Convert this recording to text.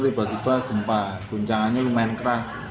tiba tiba gempa guncangannya lumayan keras